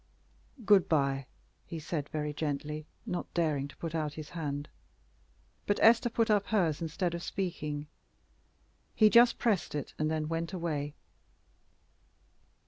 "Good bye," he said, very gently, not daring to put out his hand. But Esther put up hers instead of speaking. He just pressed it and then went away.